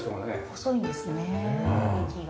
細いんですね木が。